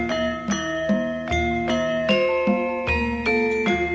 tapi saat itu kalau sekalian